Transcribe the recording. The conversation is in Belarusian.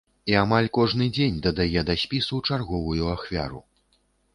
І амаль кожны дзень дадае да спісу чарговую ахвяру.